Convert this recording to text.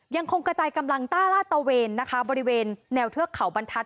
ยังคงกระจายกำลังต้าลาดตะเวนนะคะบริเวณแนวเทือกเขาบรรทัศน